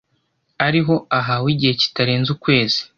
ariho ahawe igihe kitarenze ukwezi